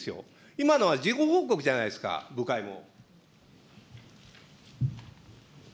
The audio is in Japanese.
今のは事後報告じゃないですか、部会も。